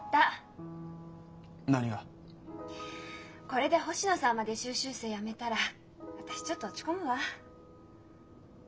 これで星野さんまで修習生辞めたら私ちょっと落ち込むわ。